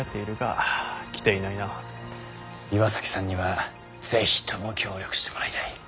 岩崎さんには是非とも協力してもらいたい。